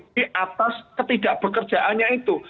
di atas ketidak bekerjaannya itu